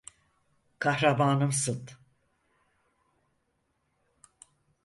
Kahramanımsın.